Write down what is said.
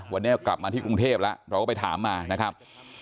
วันนี้กลับมาที่กรุงเทพแล้วเราก็ไปถามมานะครับ